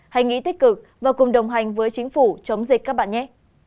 hãy nghĩ tích cực và cùng đồng hành với chính phủ chống dịch các bạn nhé